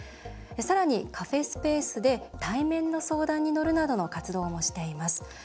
さらにカフェスペースで対面の相談に乗るなどの活動もしています。